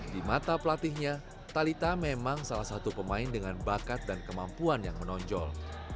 di mata pelatihnya talitha memang salah satu pemain dengan bakat dan kemampuan yang menonjol